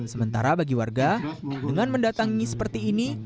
sementara bagi warga dengan mendatangi seperti ini